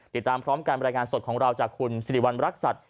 ติดตามพร้อมการบรรยายงานสดของเราจากคุณสิริวัณรักษัตริย